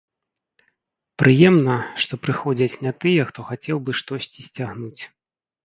Прыемна, што прыходзяць не тыя, хто хацеў бы штосьці сцягнуць.